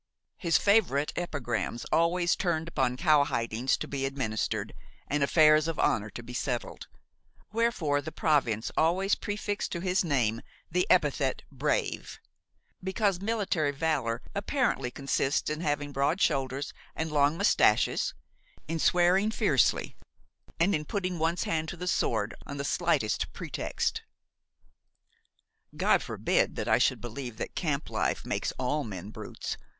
His favorite epigrams always turned upon cow hidings to be administered and affairs of honor to be settled; wherefore the province always prefixed to his name the epithet brave, because military valor apparently consists in having broad shoulders and long moustaches, in swearing fiercely, and in putting one's hand to the sword on the slightest pretext. God forbid that I should believe that camp life makes all men brutes!